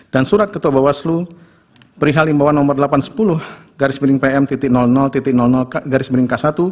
dan surat ketua bawaslu perihal imbauan nomor delapan ratus sepuluh pm garis piring k satu